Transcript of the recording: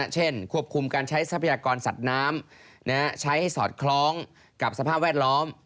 เช่นควบคุมการใช้ทรัพยากรสัตว์น้ำใช้ให้สอดคล้องกับสภาพแวดล้อม